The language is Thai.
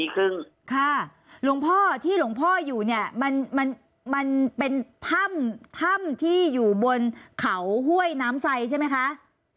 ค่ะที่ลงพ่ออยู่มันเป็นถ้ำที่อยู่บนเขาห้วยน้ำไส้ใช่ไหมคะ